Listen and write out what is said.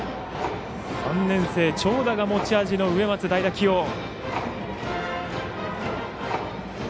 ３年生長打が持ち味の植松代打起用。